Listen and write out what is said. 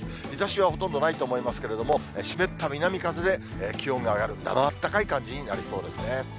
日ざしはほとんどないと思いますけれども、湿った南風で気温が上がる、なまあったかい感じになりそうですね。